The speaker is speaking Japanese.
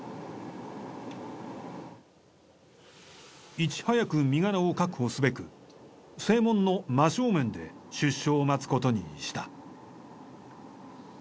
いち早く身柄を確保すべく正門の真正面で出所を待つことにした。